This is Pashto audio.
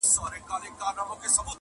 نو دي ولي بنده کړې؛ بیا د علم دروازه ده.